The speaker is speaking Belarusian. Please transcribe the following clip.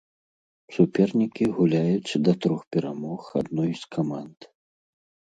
Супернікі гуляюць да трох перамог адной з каманд.